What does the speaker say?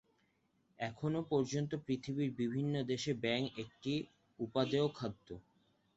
এখনও পর্যন্ত পৃথিবীর বিভিন্ন দেশে ব্যাঙ একটি উপাদেয় খাদ্য।